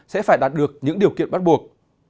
sẽ phải đạt được những điều kiện bắt buộc